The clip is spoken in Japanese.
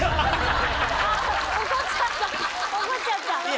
怒っちゃった。